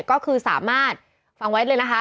ก็คือสามารถฟังไว้เลยนะคะ